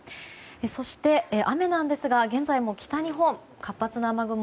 そして、雨なんですが現在も北日本で活発な雨雲